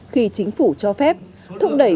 khi chính phủ cho phép thụng đẩy